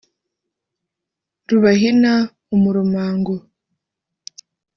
Rubahina umurumango